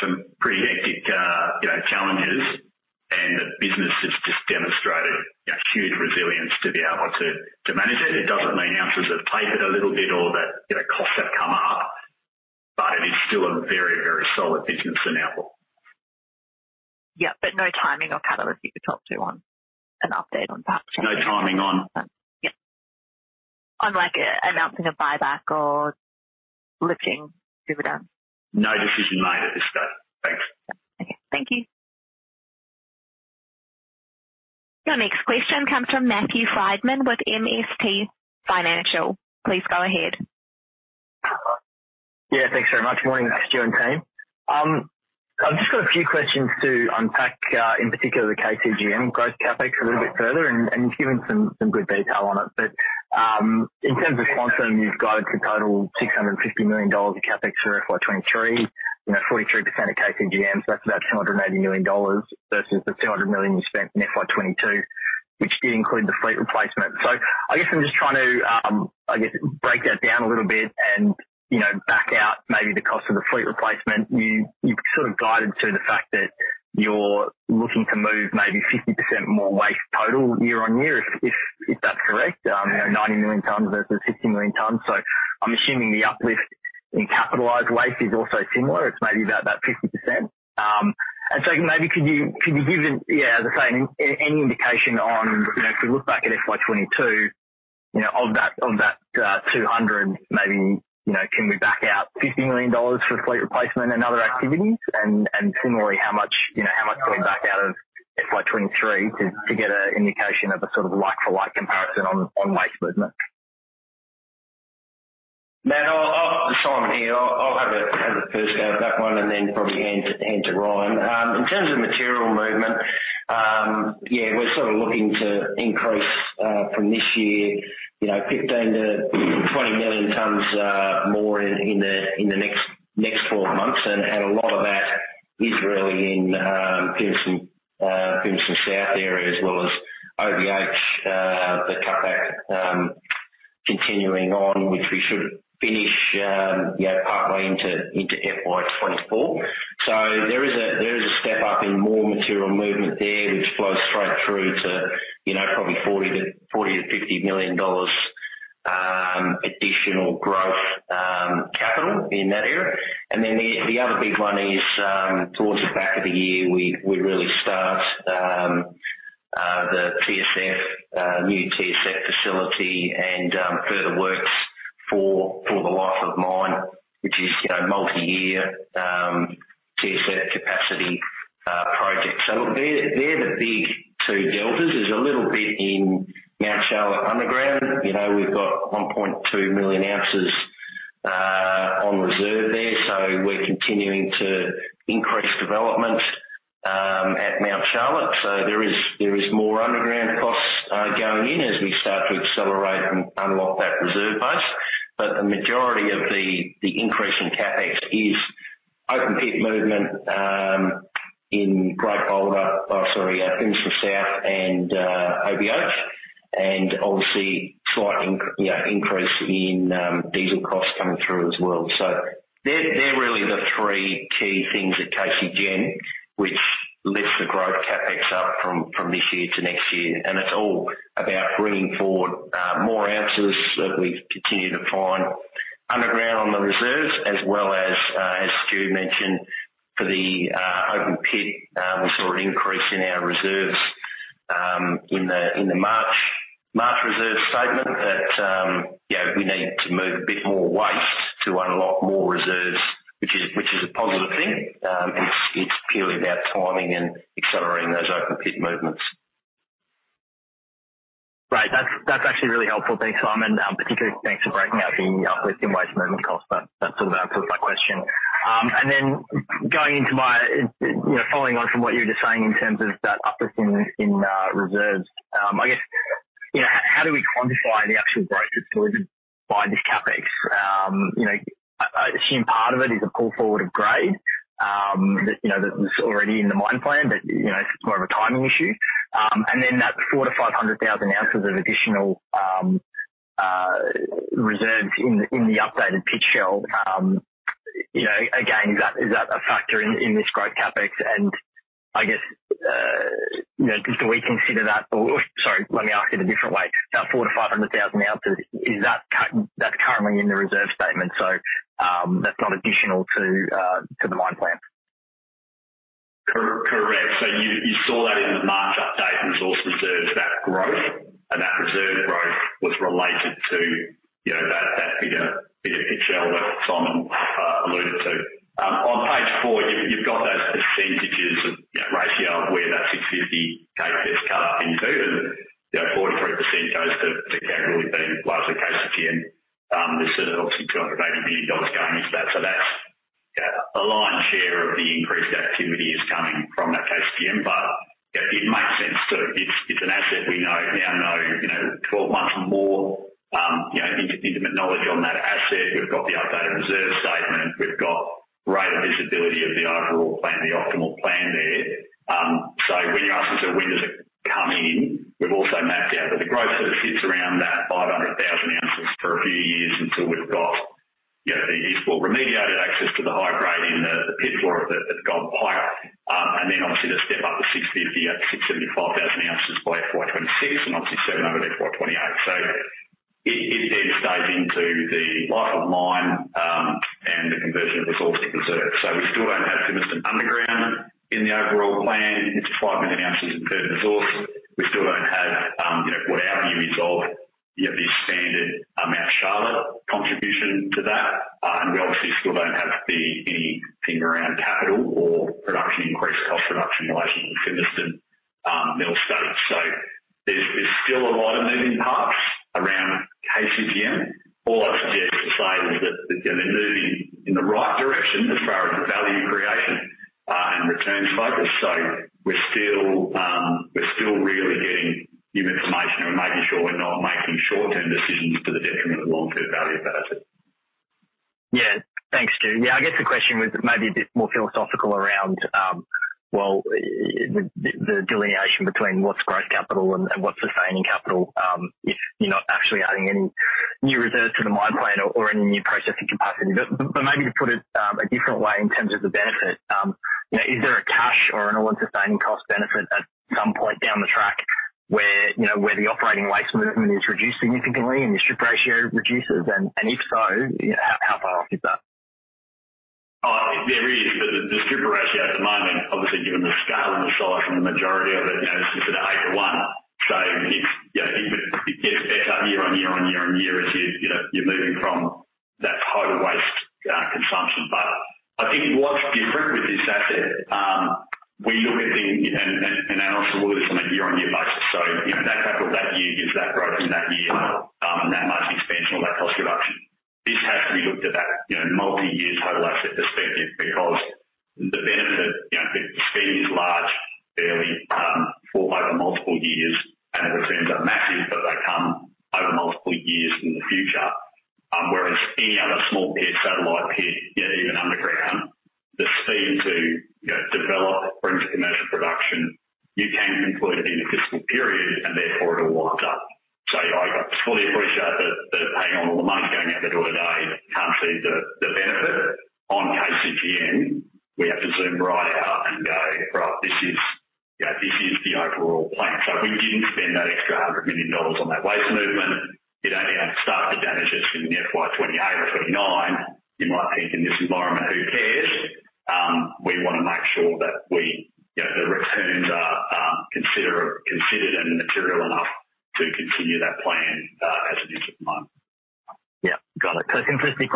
some pretty hectic, you know, challenges. The business has just demonstrated, you know, huge resilience to be able to manage it. It doesn't mean ounces have tapered a little bit or that, you know, costs have come up, but it is still a very, very solid business in our book. Yeah. No timing or catalyst you could talk to on an update on that? No timing on? Yeah. On like a, announcing a buyback or lifting dividends. No decision made at this stage. Thanks. Okay. Thank you. Your next question comes from Matthew Frydman with MST Financial. Please go ahead. Yeah, thanks very much. Morning, Stuart and team. I've just got a few questions to unpack in particular the KCGM growth CapEx a little bit further, and you've given some good detail on it. In terms of Golden Pike, you've guided to total 650 million dollars of CapEx for FY 2023. You know, 43% of KCGM, so that's about 280 million dollars versus the 200 million you spent in FY 2022, which did include the fleet replacement. I guess I'm just trying to, I guess, break that down a little bit and, you know, back out maybe the cost of the fleet replacement. You've sort of guided to the fact that you're looking to move maybe 50% more waste total year-on-year if that's correct. You know, 90 million tons versus 50 million tons. I'm assuming the uplift in capitalized waste is also similar. It's maybe about 50%. Maybe could you give any indication on, you know, if we look back at FY 2022, you know, of that 200 million maybe, you know, can we back out 50 million dollars for fleet replacement and other activities? Similarly, how much, you know, can we back out of FY 2023 to get an indication of a sort of like-for-like comparison on waste movement? Matt, Simon here. I'll have a first go at that one and then probably hand to Ryan. In terms of material movement, yeah, we're sort of looking to increase from this year, you know, 15 million-20 million tons more in the next four months. A lot of that is really in Fimiston South area as well as Oroya Brownhill, the cutback continuing on which we should finish, you know, partly into FY 2024. There is a step up in more material movement there which flows straight through to, you know, probably 40 million-50 million dollars additional growth capital in that area. The other big one is towards the back of the year, we really start the new TSF facility and further works for the life of mine, which is, you know, multi-year TSF capacity project. They're the big two deltas. There's a little bit in Mount Charlotte underground. You know, we've got 1.2 million oz on reserve there, so we're continuing to increase development at Mount Charlotte. There is more underground costs going in as we start to accelerate and unlock that reserve base. But the majority of the increase in CapEx is open pit movement in Fimiston South and Oroya Brownhill. Obviously slight increase in diesel costs coming through as well. They're really the three key things at KCGM which lifts the growth CapEx up from this year to next year. It's all about bringing forward more ounces that we continue to find underground on the reserves as well as as Stu mentioned for the open pit. We saw an increase in our reserves in the March reserve statement that you know we need to move a bit more waste to unlock more reserves which is a positive thing. It's purely about timing and accelerating those open pit movements. Right. That's actually really helpful. Thanks, Simon. Particularly thanks for breaking out the uplift in waste movement cost. That sort of answers my question. You know, following on from what you were just saying in terms of that uplift in reserves. I guess, you know, how do we quantify the actual growth that's delivered by this CapEx? You know, I assume part of it is a pull forward of grade, you know, that was already in the mine plan, but you know, it's more of a timing issue. And then that 400,000 oz-500,000 oz of additional reserves in the updated pit shell, you know, again, is that a factor in this growth CapEx? Sorry, let me ask it a different way. That 400,000 oz-500,000 oz, is that currently in the reserve statement? That's not additional to the mine plan. Correct. You saw that in the March update resource reserves, that growth and that reserve growth was related to, you know, that bigger pit shell that Simon alluded to. On page four, you've got those percentages of, you know, ratio of where that 650 million CapEx cut up into, and, you know, 43% goes to Kalgoorlie Deep Plus the KCGM. There's sort of obviously 280 million dollars going into that. That's, you know, a lion's share of the increased activity is coming from that KCGM, but It makes sense. It's an asset we now know 12 months more, you know, intimate knowledge on that asset. We've got the updated reserve statement. We've got greater visibility of the overall plan, the optimal plan there. When you ask us when does it come in, we've also mapped out that the growth sort of sits around that 500,000 oz for a few years until we've got the useful remediated access to the high grade in the pit floor at Golden Pike. Then obviously the step up to 650,000 oz-675,000 z by FY 2026 and obviously 700 thousand ounces by FY 2028. It then stays into the life of mine and the conversion of resource to reserves. We still don't have Fimiston underground in the overall plan. It's 5 million oz of inferred resource. We still don't have, you know, whatever you resolve, you have the expanded, Mount Charlotte contribution to that. We obviously still don't have the, anything around capital or production increase, cost reduction relations with Fimiston mill site. There's still a lot of moving parts around KCGM. All I'd suggest to say is that they're gonna move in the right direction as far as the value creation, and returns focus. We're still really getting new information and we're making sure we're not making short-term decisions to the detriment of long-term value of that asset. Yeah. Thanks, Stuart. Yeah, I guess the question was maybe a bit more philosophical around, well, the delineation between what's growth capital and what's sustaining capital, if you're not actually adding any new reserves to the mine plan or any new processing capacity. Maybe to put it a different way in terms of the benefit, you know, is there a cash or an all-sustaining cost benefit at some point down the track where, you know, where the operating waste movement is reduced significantly and your strip ratio reduces? If so, you know, how far off is that? Oh, there is. The strip ratio at the moment, obviously given the scale and the size and the majority of it, you know, it's just at 8:1. It's, you know, it gets better year-over-year as you know, you're moving from that total waste consumption. I think what's different with this asset, analysts will look at this on a year-over-year basis. You know, that capital that year gives that growth in that year, that much expansion or that cost reduction. This has to be looked at, you know, multi-year total asset perspective because the benefit, you know, the scale is large, broadly, over multiple years, and the returns are massive, but they come over multiple years in the future. Whereas any other small pit, satellite pit, yet even underground, the speed to, you know, develop fringe commercial production, you can include it in a fiscal period, and therefore it all winds up. I fully appreciate that paying all the money going out the door today, you can't see the benefit. On KCGM, we have to zoom right out and go, "Right, this is you know, this is the overall plan." If we didn't spend that extra 100 million dollars on that waste movement, you'd only have to start the dams in the FY 2028 or 2029. You might think in this environment, who cares? We wanna make sure that we, you know, the returns are considered and material enough to continue that plan as it is at the moment. Yeah. Got it. Intrinsically,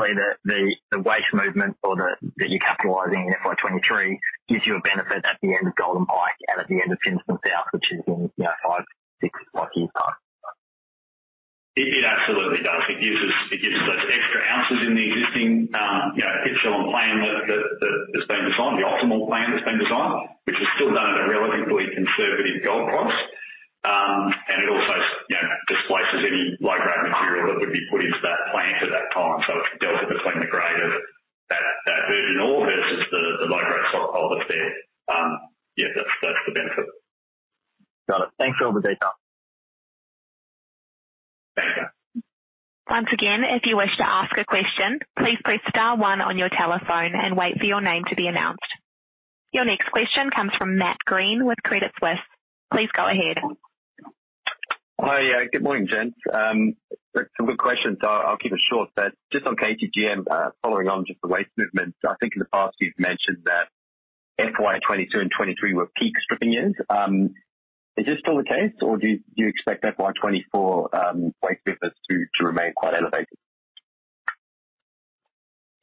the waste movement or that you're capitalizing in FY 2023 gives you a benefit at the end of Golden Pike and at the end of Fimiston South, which is in, you know, five to six years' time. It absolutely does. It gives us extra ounces in the existing, you know, pit shell and plan that has been designed, the optimal plan that's been designed, which is still done at a relatively conservative gold price. It also, you know, displaces any low-grade material that would be put into that plant at that time. It's the delta between the grade of that virgin ore versus the low-grade stockpile that's there. Yeah, that's the benefit. Got it. Thanks for all the detail. Thank you. Once again, if you wish to ask a question, please press star one on your telephone and wait for your name to be announced. Your next question comes from Matt Greene with Credit Suisse. Please go ahead. Hi. Good morning, gents. It's a good question, so I'll keep it short. Just on KCGM, following on just the waste movement, I think in the past you've mentioned that FY 2022 and 2023 were peak stripping years. Is this still the case, or do you expect FY 2024 waste movements to remain quite elevated?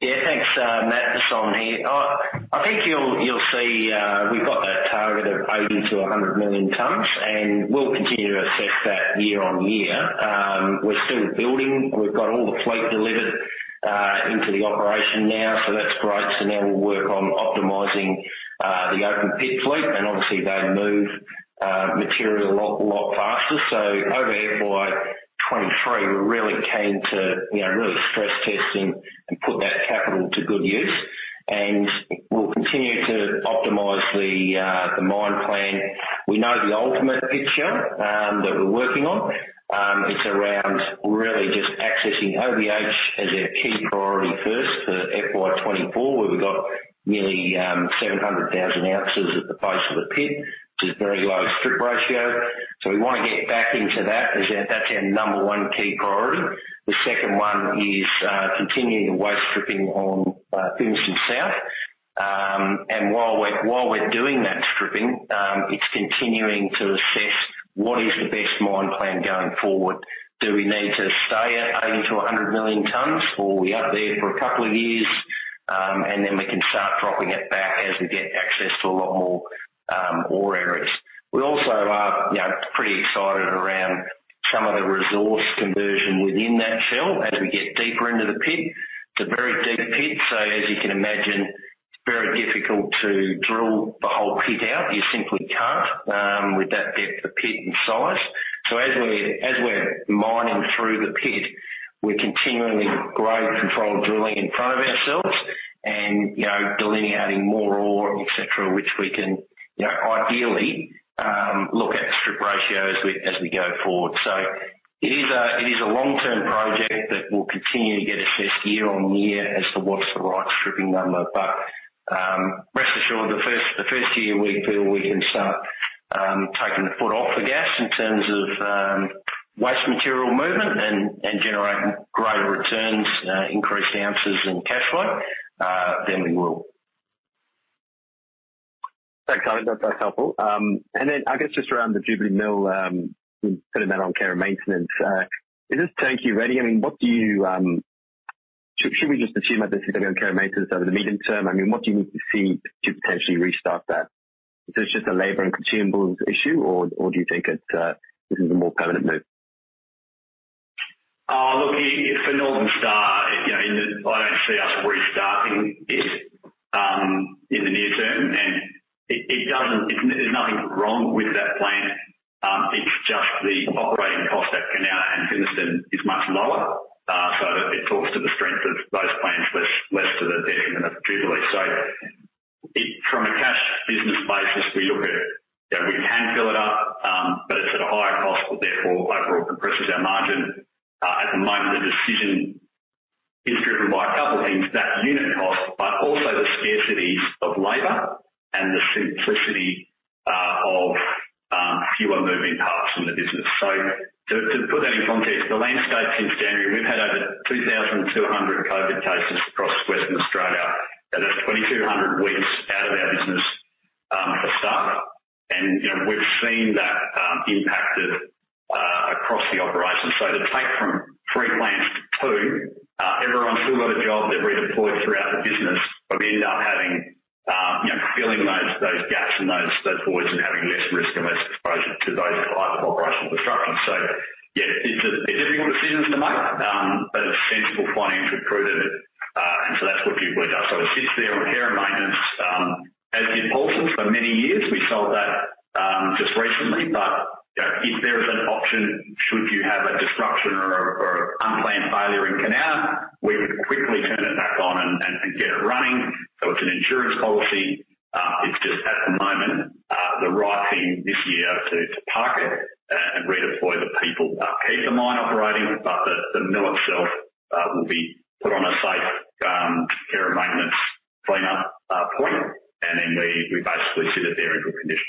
Yeah, thanks, Matt. It's Simon here. I think you'll see we've got that target of 80 million-100 million tons, and we'll continue to assess that year-on-year. We're still building. We've got all the fleet delivered into the operation now, so that's great. Now we'll work on optimizing the open pit fleet, and obviously they move material a lot faster. Over FY 2023, we're really keen to, you know, really stress test and put that capital to good use. We'll continue to optimize the mine plan. We know the ultimate picture that we're working on. It's around really just accessing Oroya Brownhill as our key priority first for FY 2024, where we've got nearly 700,000 oz at the face of the pit, which is very low strip ratio. We wanna get back into that. That's our number one key priority. The second one is continuing the waste stripping on Fimiston South. While we're doing that stripping, it's continuing to assess what is the best mine plan going forward. Do we need to stay at 80 million-100 million tons, or are we up there for a couple of years, and then we can start dropping it back as we get access to a lot more ore areas. We also are, you know, pretty excited around Resource conversion within that shell. As we get deeper into the pit, it's a very deep pit, so as you can imagine, it's very difficult to drill the whole pit out. You simply can't with that depth of pit and size. As we're mining through the pit, we're continually grade controlling drilling in front of ourselves and, you know, delineating more ore, et cetera, which we can, you know, ideally look at strip ratio as we go forward. It is a long-term project that will continue to get assessed year on year as to what's the right stripping number. Rest assured, the first year we feel we can start taking the foot off the gas in terms of waste material movement and generating greater returns, increased ounces and cash flow, then we will. Thanks, Simon Jessop. That's helpful. Then I guess just around the Jubilee Mill, you put them out on care and maintenance. Is this turnkey ready? I mean, what do you? Should we just assume that this is gonna go care and maintenance over the medium term? I mean, what do you need to see to potentially restart that? Is this just a labor and consumables issue, or do you think this is a more permanent move? Look, for Northern Star, you know, I don't see us restarting this in the near term. There's nothing wrong with that plant, it's just the operating cost at Kanowna and Fimiston is much lower. It talks to the strength of those plants less to the strength of Jubilee. From a cash business basis, we look at, you know, we can fill it up, but it's at a higher cost, therefore overall compresses our margin. At the moment, the decision is driven by a couple things, that unit cost, but also the scarcities of labor and the simplicity of fewer moving parts in the business. To put that in context, the landscape since January, we've had over 2,200 COVID cases across Western Australia, and that's 2,200 weeks out of our business, for starters. You know, we've seen that impacted across the operation. To take from three plants to two, everyone's still got a job. They're redeployed throughout the business. We end up having you know, filling those gaps and those voids and having less risk and less exposure to those types of operational disruptions. Yeah, it's difficult decisions to make, but it's sensible, financially prudent. That's what Jubilee does. It sits there on care and maintenance, as did Paulsens for many years. We sold that just recently. You know, if there is an option, should you have a disruption or unplanned failure in Kanowna, we could quickly turn it back on and get it running. So it's an insurance policy. It's just at the moment, the right thing this year to park it and redeploy the people, keep the mine operating, but the mill itself will be put on a safe, care and maintenance cleanup point. Then we basically sit it there in good condition.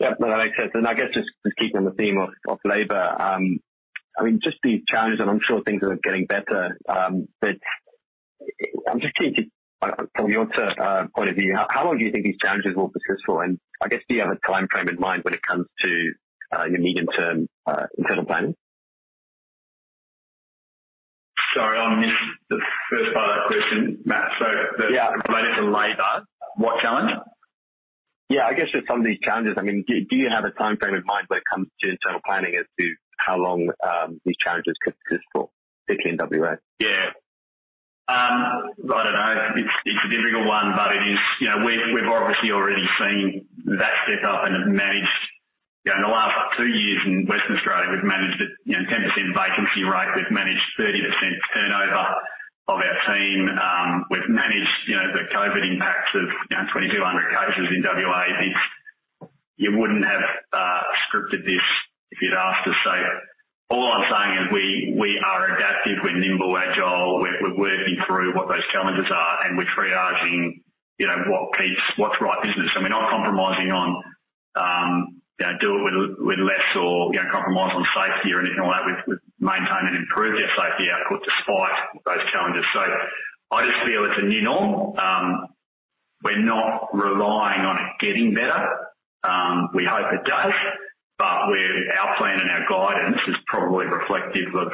Yeah, that makes sense. I guess just keeping on the theme of labor, I mean, just the challenge, and I'm sure things are getting better, but I'm just keen to from your sort of point of view, how long do you think these challenges will persist for? I guess, do you have a timeframe in mind when it comes to your medium term internal planning? Sorry, I missed the first part of the question, Matt. Yeah. Related to labor. What challenge? Yeah, I guess just some of these challenges. I mean, do you have a timeframe in mind when it comes to internal planning as to how long these challenges could persist for, particularly in WA? I don't know. It's a difficult one, but it is. You know, we've obviously already seen that step up and have managed, you know, in the last two years in Western Australia, we've managed it, you know, 10% vacancy rate, we've managed 30% turnover of our team. We've managed, you know, the COVID impacts of, you know, 2,200 cases in WA. It's. You wouldn't have scripted this if you'd asked us, so. All I'm saying is we are adaptive, we're nimble, agile, we're working through what those challenges are, and we're triaging, you know, what keeps, what's the right business. We're not compromising on, you know, do it with less or, you know, compromise on safety or anything like that. We've maintained and improved our safety output despite those challenges. I just feel it's a new norm. We're not relying on it getting better. We hope it does, but our plan and our guidance is probably reflective of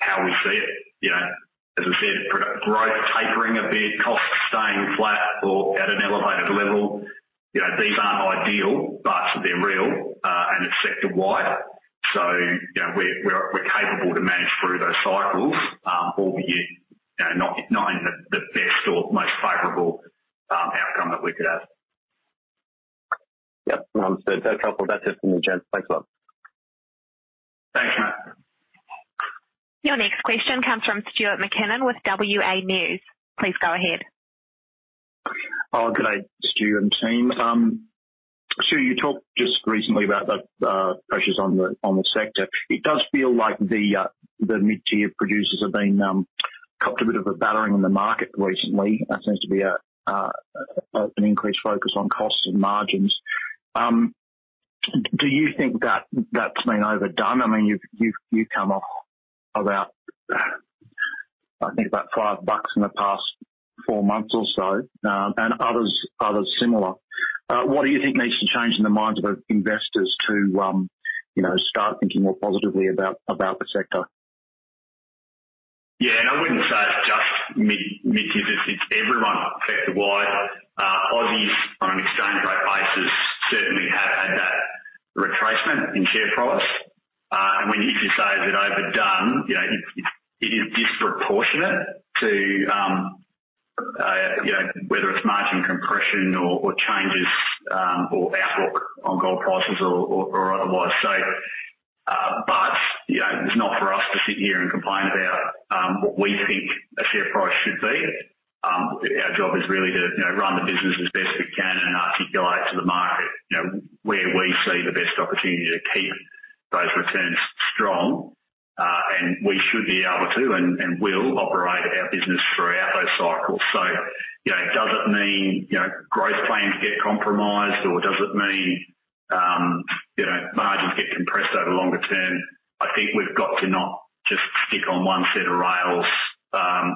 how we see it. You know, as I said, growth tapering a bit, costs staying flat or at an elevated level. You know, these aren't ideal, but they're real, and it's sector-wide. You know, we're capable to manage through those cycles, albeit, you know, not in the best or most favorable outcome that we could have. Yep. Understood. That's helpful. That's it from me, gents. Thanks a lot. Thanks, Matt. Your next question comes from Stuart McKinnon with WA News. Please go ahead. Oh, good day, Stuart and team. Stuart, you talked just recently about the pressures on the sector. It does feel like the mid-tier producers have been copped a bit of a battering in the market recently. There seems to be an increased focus on costs and margins. Do you think that's been overdone? I mean, you've come off about, I think about 5 bucks in the past four months or so, and others similar. What do you think needs to change in the minds of investors to you know start thinking more positively about the sector? Yeah, I wouldn't say it's just mid-tier. It's everyone sector-wide. Aussies on an exchange rate basis certainly have had that retracement in share price. If you say, is it overdone? You know, it is disproportionate to, you know, whether it's margin compression or changes or outlook on gold prices or otherwise. It's not for us to sit here and complain about what we think a share price should be. Our job is really to, you know, run the business as best we can and articulate to the market, you know, where we see the best opportunity to keep those returns strong. We should be able to and will operate our business throughout those cycles. You know, does it mean, you know, growth plans get compromised or does it mean, you know, margins get compressed over longer term? I think we've got to not just stick on one set of rails.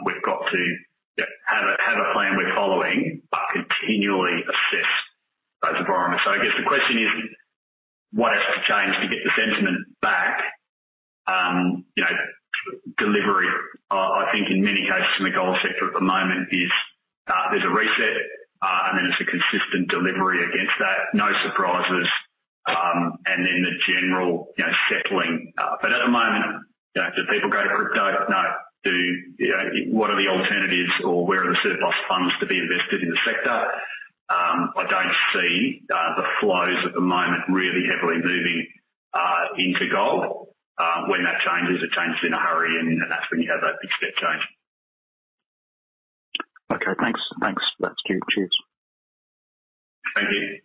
We've got to have a plan we're following but continually assess those environments. I guess the question is what has to change to get the sentiment back? You know, delivery, I think in many cases in the gold sector at the moment is, there's a reset, and then there's a consistent delivery against that. No surprises. Then the general, you know, settling. At the moment, you know, do people go to crypto? No. You know, what are the alternatives or where are the surplus funds to be invested in the sector? I don't see the flows at the moment really heavily moving into gold. When that changes, it changes in a hurry and that's when you have that big step change. Okay. Thanks. That's good. Cheers. Thank you.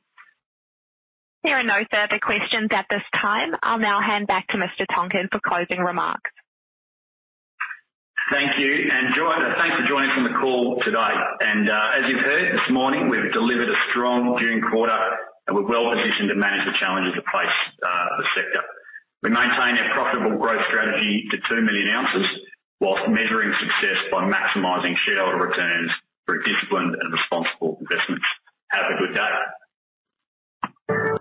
There are no further questions at this time. I'll now hand back to Mr. Tonkin for closing remarks. Thanks for joining us on the call today. As you've heard this morning, we've delivered a strong June quarter and we're well positioned to manage the challenges that face the sector. We maintain our profitable growth strategy to 2 million oz whilst measuring success by maximizing shareholder returns through disciplined and responsible investments. Have a good day.